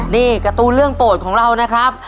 นี่การ์ตูนเรื่องโปรดของเรานะครับ